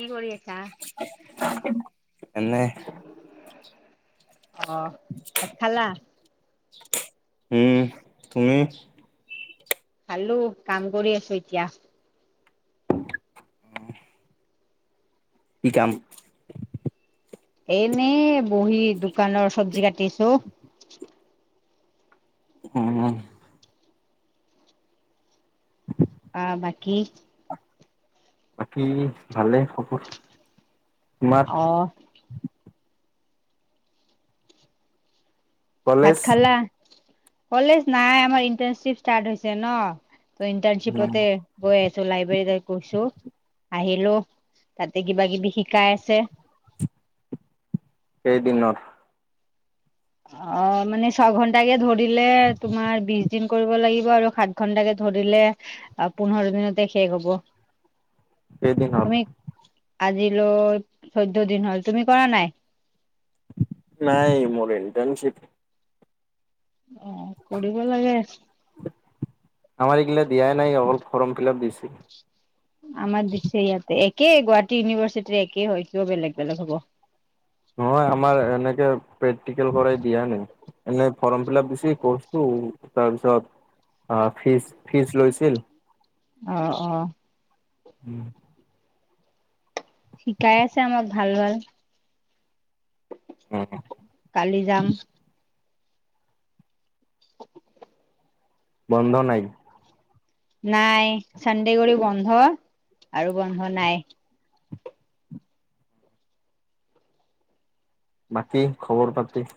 কি কৰি আছা? এনে অ', ভাত খালা? উম, তুমি? খালোঁ, কাম কৰি আছো এতিয়া। কি কাম? এনে বহী দোকানৰ চব্জি কাটিছো। অহ অ। [inaudible] আ বাকী। বাকী ভালে সপোৰ। তোমাৰ? অ' ভাত কলেজ খালা? কলেজ নাই আমাৰ ইণ্টাৰশিপ ষ্টাৰ্ট হৈছে ন। ত ইণ্টাৰ্ণশ্বিপতে গৈ আছো লাইব্ৰেৰী তাত গৈছো আহিলো তাতে কিবা কিবি শিকাই আছে। কেইদিনৰ? অ মানে ছঘন্টাকে ধৰিলে তোমাৰ বিশ দিন কৰিব লাগিব আৰু সাত ঘন্টাকে ধৰিলে পোন্ধৰ দিনতে শেষ হব। কেইদিন হ'ল তুমি আজিলৈ চৈধ্য দিন হ'ল। তুমি কৰা নাই? নাই মোৰ ইণ্টাৰ্ণশ্বিপ। অ কৰিব লাগে। আমাৰ এইগিলা দিয়াই নাই অলপ ফ্ৰম ফিলাপ দিছে। আমাৰ দিছে ইয়াতে একে গুৱাহাটী ইউনিভাৰ্চিটিৰ একে হয় কিয় বেলেগ বেলেগ হ'ব। নহয় আমাৰ এনেকে প্ৰেক্টিকেল কৰাই দিয়া নাই। এনেই ফৰ্ম ফিল আপ দিছি কৰছো তাৰপিছত আ ফিজ ফিজ লৈছিল। অ অ। ওম। শিকাই আছে আমাক ভাল ভাল। অ। কালি যাম। [inaudible] বন্ধ নাই? নাই চানদে কৰি বন্ধ আৰু বন্ধ নাই। বাকী খবৰ পাতি?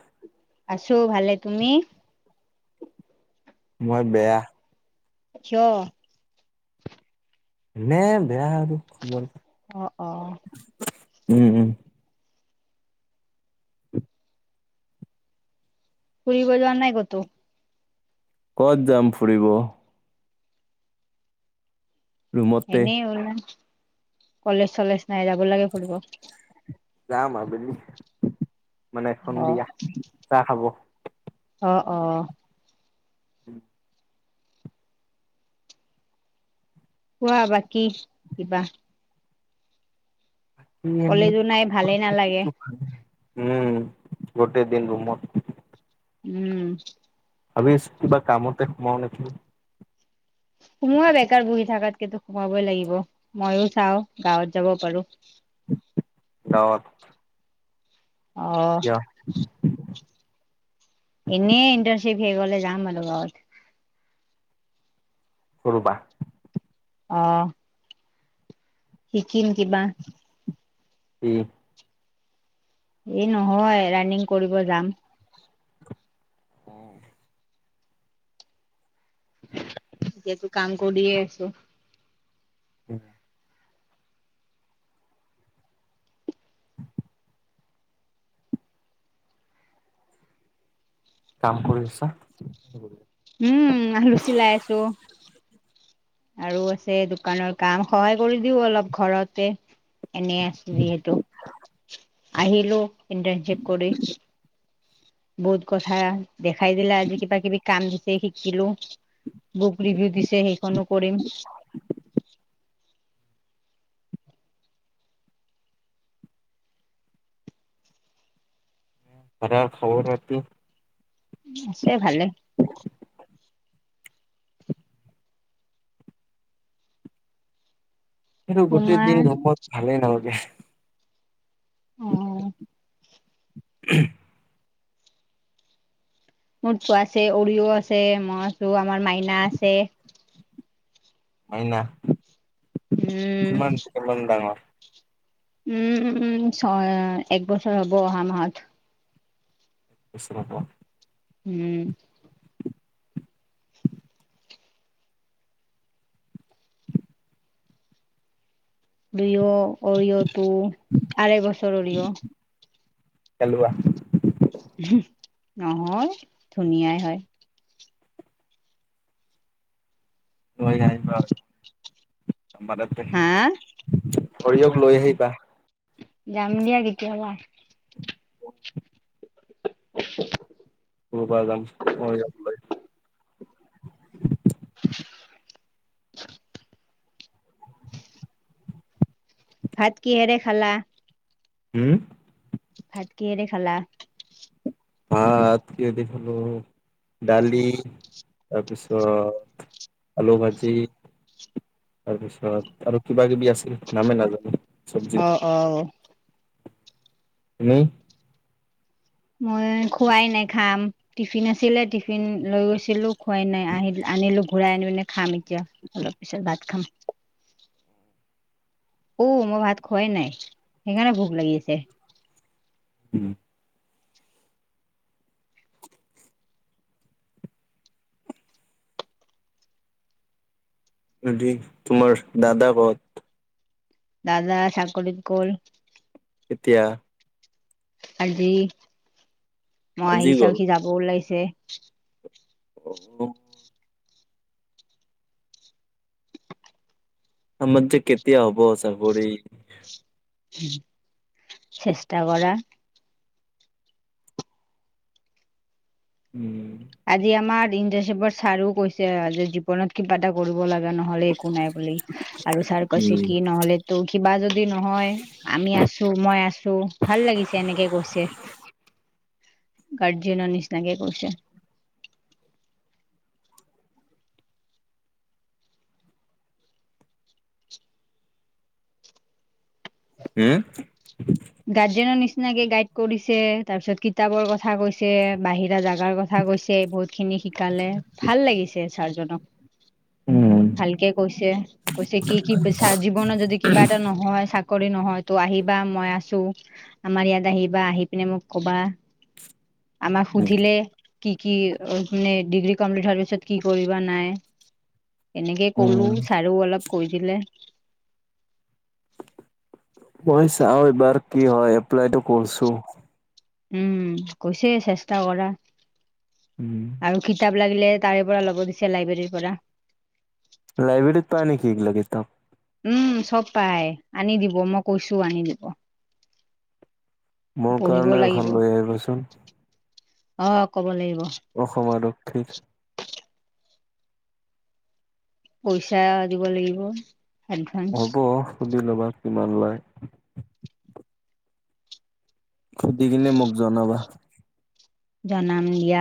আছো ভালে। তুমি? মই বেয়া। কিয়? এনে বেয়া আৰু খবৰ। অ অ অ উম উম ফুৰিব যোৱাৰ নাই ক'তো? ক'ত যাম ফুৰিব। ৰুমতে এনেই ওল কলেজ চলেজ নাই যাব লাগে ফুৰিব। যাম আবেলি মানে অ', সন্ধিয়া চাহ খাব। অ অ। উম। কোৱা বাকি কিবা? [unintelligible] কলেজো নাই ভালেই নালাগে উম গোটেই দিন ৰোমত। উম। আবিছ কিবা কামতে সোমাও নেকি? সোমোৱা বেকাৰ বুহি থাকাতকেটো সোমাবই লাগিব মইয়ো চাও গাঁৱত যাব পাৰো। গাঁৱত। অ। কিয় এনেই ইণ্টাৰ্ণশ্বিপ শেষ হ'লে যাম আৰু গাঁৱত। হুৰোবা অ। শিকিম কিবা। উম। এই নহয় ৰানিং কৰিব যাম। উম। এতিয়াতো কাম কৰিয়ে আছো। উম। কাম কৰি আছা? উম আলু চীলাই আছো। আৰু আছে দোকানৰ কাম, সহায় কৰি দিও অলপ ঘৰতে। এনেই আছো যিহেতু আহিলো ইণ্টাৰনশিপ কৰি। বহুত কথা দেখাই দিলে আজি কিবা - কিবি কাম দিছে শিকিলো। বুক ৰিভিউ দিছে সেইখনো কৰিম। হয় [inaudible] তাতে খবৰ ৰাতি আছে ভালে। সেইটো গোটেই দিন তোমাৰ পত ভালেই নালাগে। অ উহ। মটচু আছে, উৰিও আছে, মই আছোঁ, আমাৰ মাইনা আছে। মাইনা উম কিমান - কিমান ডাঙৰ? উম উম উম ছয় এক বছৰ হ'ব অহা মাহত। এবছৰ হ'ব। উম। দুইয় অৰিয়টো, আঢ়াই বছৰ অৰিয়। কেলুৱা নহয় ধুনীয়াই হয়। লৈ আহিবা, হা সৰিয়ক লৈ আহিবা। যাম দিয়া কেতিয়া বা [inaudible] মুবা বা ভদাম। ভাত কিহেৰে খালা? উম। ভাত কিহেৰে খালা? ভাত কি দি খালো দালি তাপিছত আলু ভাজি তাৰপিছত আৰু কিবা - কিবি আছিল নামে নাজানো। আ চব্জিত হাহা তুমি? মই খোৱাই নাই খাম। টিফিন আছিলে টিফিন লৈ গৈছিলো খোৱাই নাই আহ আনিলো ঘূৰাই আনি পিনে খাম এতিয়া। অলপ পিছত ভাত খাম। মই ভাত খোৱাই নাই সেইকাৰণে ভোক লাগি আছে। উম [inaudible] যদি তোমাৰ দাদা ক'ত দাদা চাকৰিত গ'ল এতিয়া? আজি মই আজি আহিছোঁ গ'ল আৰু সি যাব ওলাইছে। অ অ আমাৰ যে কেতিয়া হব চাকৰি? চেষ্টা কৰা। উম। আজি আমাৰ ইণ্টাৰশিপত ছাৰো কৈছে যে জীৱনত কিবা এটা কৰিব লাগে নহলে একো নাই বুলি আৰু ছাৰ কৈছে কি হম নহ'লে ত' কিবা যদি নহয় আমি আছো মই আছো ভাল লাগিছে এনেকে কৈছে গাৰ্জেনৰ নিচিনাকে কৈছে৷ উম গাৰ্জেনৰ নিচিনাকে গাইড কৰিছে তাৰপিছত কিতাপৰ কথা কৈছে বাহিৰা জাগাৰ কথা কথা কৈছে বহুত খিনি শিকালে ভাল লাগিছে ছাৰজনক৷ উম ভালকে কৈছে৷ কৈছে কি-কি জীৱনৰ যদি কিবা এটা নহয় চাকৰি নহয় তো আহিবা মই আছো আমাৰ ইয়াত আহিবা আহি পিনে মোক কবা৷ আমাক সুধিলে কি-কি মানে ডিগ্ৰী কমপ্লিট হোৱাৰ পিছত কি কৰিবা নাই৷ এনেকে কলো উম ছাৰো অলপ কৈ দিলে৷ মই চাও এইবাৰ কি হয় এপ্লাইতটো কৰছো৷ উম কৈছে চেষ্টা কৰা আৰু কিতাপ লাগিলে তাৰে পৰা ল'ব দিছে লাইব্ৰেৰীৰ পৰা৷ লাইব্ৰেৰীত পাই নেকি এইগিলা কিতাপ? উম চব পাই আনি দিব মই কৈছো আনি দিব৷ মোৰ পঢ়িব কাৰণে এখন লাগিব লৈ আহিবাচোন অহ কব লাগিব৷ অসম আৰক্ষীৰ পইচা দিব লাগিব৷ এডভান্স হ'ব সুধি ল'বা কিমান লয়৷ সুধি কিনে মোক জনাবা৷ জনাম দিয়া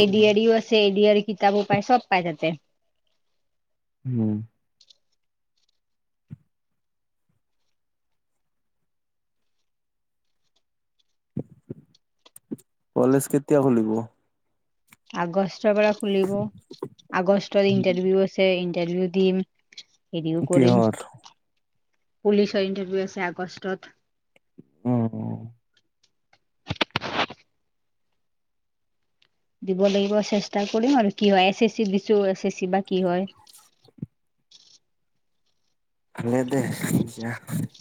এ ডি আৰ ইও আছে এ ডি আৰ কিতাপো পায় চব পাই তাতে৷ উম কলেজ কেতিয়া খুলিব? আগষ্টৰ পৰা খুলিব আগষ্টত ইন্টাৰভিউ আছে ইণ্টাৰভিউ দিম হেৰিও কৰিম৷ কিহৰ পুলিচৰ ইণ্টাৰভিউ আছে আগষ্টত৷ উম দিব লাগিব চেষ্টা কৰিম আৰু কি হয় এচ এচ চি দিছো এচ এচ চি বা কি হয়৷ [inaudible] ভালে দে [unintelligible]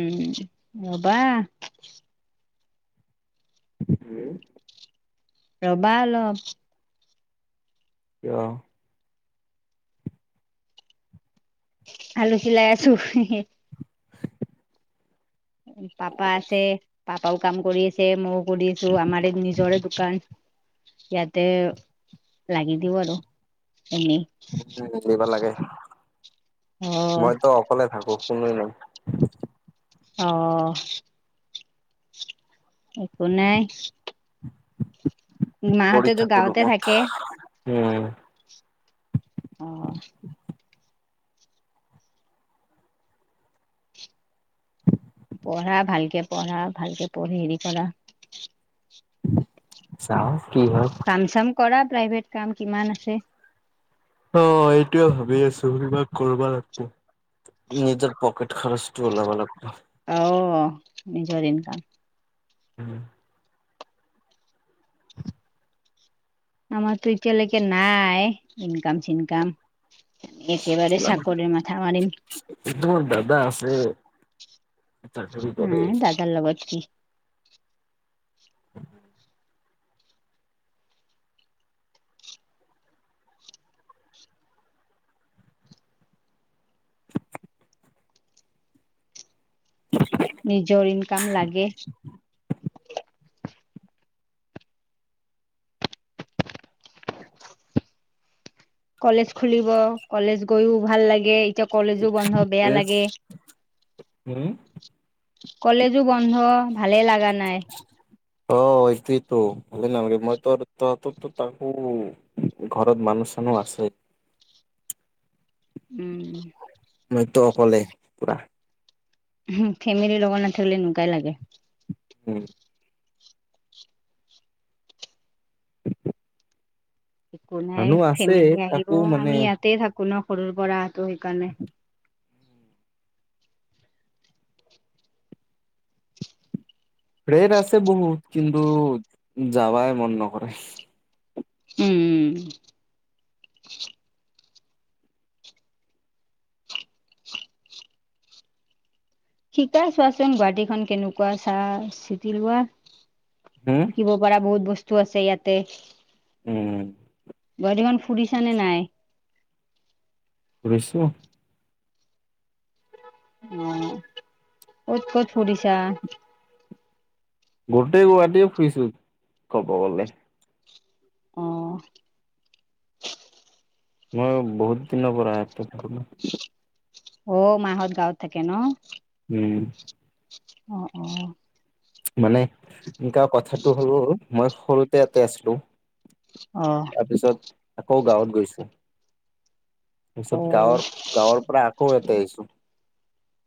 উম ৰবা উম ৰবা অলপ৷ কিয়? আলু চিলাই [unintelligible] আছো পাপা আছে পাপাও কাম কৰি আছে মোক কৰিছো আমাৰ এই নিজৰে দোকান৷ ইয়াতে লাগি দিওঁ আৰু এনেই৷ দিব লাগে অ মইতো অকলে থাকো কোনোৱেই নাই৷ অ একো নাই৷ পৰি মাহঁতেতো থাকো গাঁৱতে থাকে ৰোমত অ পঢ়া ভালকে পঢ়া ভালকে পঢ়ি হেৰি কৰা চাও কি হয়৷ কাম চাম কৰা প্ৰাইভেট কাম কিমান আছে৷ অ এইটোয়ে ভাবি আছো কিবা কৰিবা লাগব৷ নিজৰ পকেট খৰচটো ওলাবা লাগব। অ', নিজৰ ইনকাম। [unintelligible] আমাৰতো এতিয়ালৈকে নাই, ইনকাম চিনকাম। একেবাৰে চাকৰিৰ মাথা মাৰিম। একজন দাদা আছে, চাকৰি কৰে। তাৰ লগত যদি [unintelligible] নিজৰ ইনকাম লাগে। কলেজ খুলিব, কলেজ গৈও ভাল লাগে। এতিয়া কলেজো বন্ধ বেয়া উম লাগে। উম। কলেজো বন্ধ ভালে লাগা নাই। অ', সেইটোৱেটো, ভালে নালাগে মই ত' তহতোকটো তাকো ঘৰত মানুহ চানুহ আছে। উম, মইতো অকলে পুৰা। ফেমিলিৰ লগত নাথাকিলে এনেকুৱাই লাগে। উম, একো নাই, মানুহ আছে ফেমিলি আহিব তাকো মানে আমি ইয়াতে থাকোঁ ন' সৰুৰ পৰাতো সেইকাৰণে। ফ্ৰেড আছে বহুত কিন্তু, যাবাই মন নকৰে। উম, উম, শিকাই চোৱাচোন গুৱাহাটীখন কেনেকুৱা চা-চিটি লোৱা। হম শিকিব পৰা বহুত বস্তু আছে ইয়াতে, উম বৰ্তমান ফুৰিছা নে নাই? ফুৰিছোঁ। অ', ক'ত ক'ত ফুৰিছা? গোটেই গুৱাহাটীয়ে ফুৰিছো, কব গ'লে। অ', মই বহুত দিনৰ পৰা [unintelligible] অ', মাহত গাঁৱত থাকে ন'? উম, অ', অ, মানে, এনকা কথাটো হ'ল, মই সৰুতে এতে আছিলো অ', পিছত, আকৌ গাঁৱত গৈছোঁ। পিছত অ'। গাঁৱৰ, গাঁৱৰ পৰা আকৌ ইয়াতে আহিছোঁ।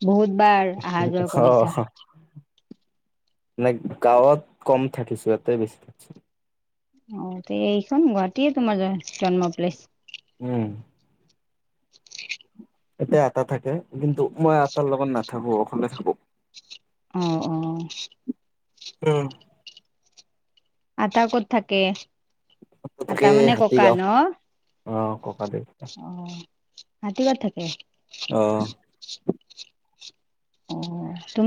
বহুত বাৰ আহা যোৱা কৰিছা। নাই গাঁৱত কম থাকিছোঁ, ইয়াতে বেছি থাকিছো। অ, তে এইখন গুৱাহাটীয়ে [unintelligible] জন্ম প্লেচ। উম, এতে আতা থাকে কিন্তু মই আতাৰ লগত নাথাকো অকলে থাকোঁ। অ', অ, অ, অ', আতা ক'ত থাকে? ক'ত আটা থাকে মানে ককা হাতীগাঁও, ন? অ, ককা দেউতা। অ', হাতীগাঁওত থাকে। অ', অ', তুম